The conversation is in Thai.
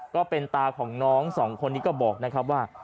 ก็เป็นตาของน้องสองคนนี้ก็บอกนะครับว่า